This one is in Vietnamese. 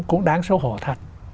cũng đáng xấu hổ thật